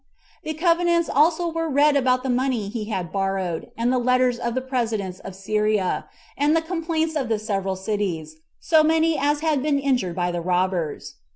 The covenants also were read about the money he had borrowed, and the letters of the presidents of Syria, and the complaints of the several cities, so many as had been injured by the robbers.